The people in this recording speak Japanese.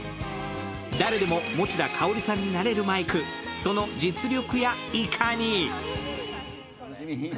誰でも持田香織さんになれるマイク、その実力やいかに？